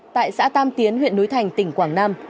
tại xã tam tiến huyện núi thành tỉnh quảng nam